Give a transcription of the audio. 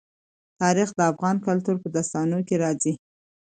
تاریخ د افغان کلتور په داستانونو کې راځي.